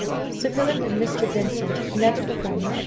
Sir Philip and Mr. Vincent had never before met.